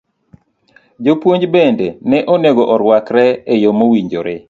Jopuonj bende ne onego orwakre e yo mowinjore.